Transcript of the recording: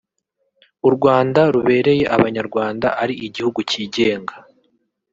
‘U Rwanda rubereye Abanyarwanda ari igihugu cyigenga